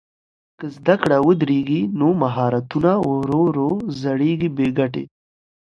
که زده کړه ودرېږي نو مهارتونه ورو ورو زړېږي بې ګټې.